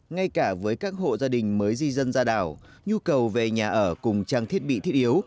ngay cả với các hộ gia đình mới di dân ra đảo nhu cầu về nhà ở cùng trang thiết bị thiết yếu